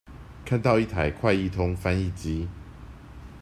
看到一台快譯通翻譯機